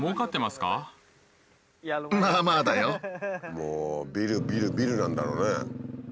もうビルビルビルなんだろうね。